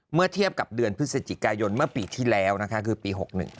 เมื่อเทียบกับเดือนพฤศจิกายนเมื่อปีที่แล้วนะคะคือปี๖๑